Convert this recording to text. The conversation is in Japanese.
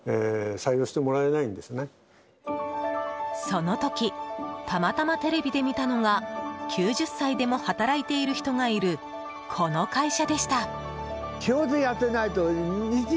その時たまたまテレビで見たのが９０歳でも働いている人がいるこの会社でした。